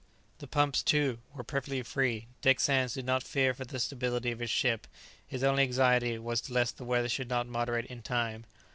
The pumps, too, were perfectly free. Dick Sands did not fear for the stability of his ship; his only anxiety was lest the weather should not moderate in time.